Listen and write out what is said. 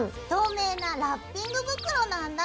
おラッピング袋なんだ？